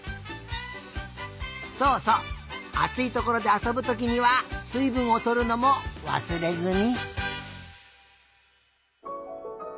そうそうあついところであそぶときにはすいぶんをとるのもわすれずに。